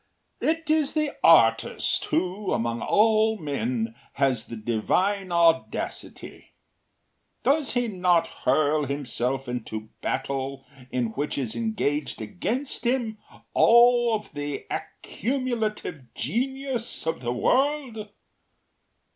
“It is the artist who, among all men, has the divine audacity. Does he not hurl himself into a battle in which is engaged against him all of the accumulative genius of the world?